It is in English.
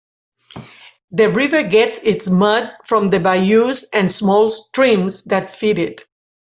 The river gets its mud from the bayous and small streams that feed it.